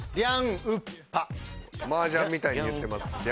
マージャンみたいに言ってます。